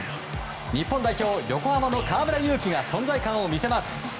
日本代表、横浜の河村勇輝が存在感を見せます。